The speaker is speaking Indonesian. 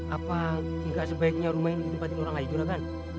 apa tidak sebaiknya rumah ini ditempatin orang aja juragan